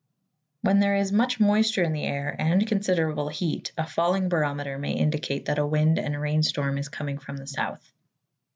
When there is much moisture in the air and considerable heat, a falling barometer may indicate that a wind and rain storm is coming from the south.